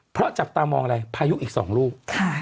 เพราะจับตามองอะไรพายุอีก๒ลูก